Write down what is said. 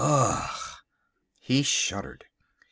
Ugh!" He shuddered.